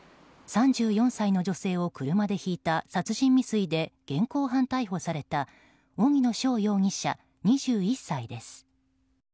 ３４歳の女性を車でひいた殺人未遂で現行犯逮捕された荻野翔容疑者、２１歳です。